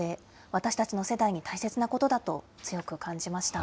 私たちの世代に大切なことだと強く感じました。